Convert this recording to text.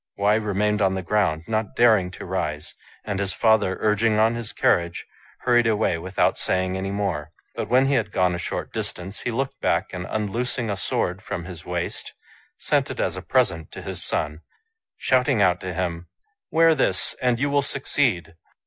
Wei remained on the ground, not daring to rise ; and his father, urging on his carriage, hurried away without saying any more. But when he had gone a short distance, he looked back, and unloos ing a sword from his waist, sent it as a present to his son, shouting out to him, " Wear this and you will succeed."